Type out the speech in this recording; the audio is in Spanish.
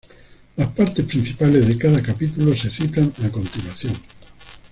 Las partes principales de cada capítulo se citan a continuación.